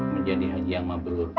menjadi haji yang mabur